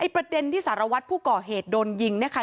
ประเด็นที่สารวัตรผู้ก่อเหตุโดนยิงนะคะ